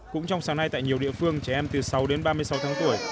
cũng trong sáng nay tại nhiều địa phương trẻ em từ sáu đến ba mươi sáu tháng tuổi